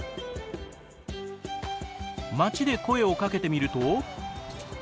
町で声をかけてみると。